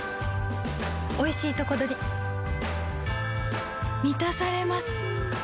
おいしいとこどりみたされます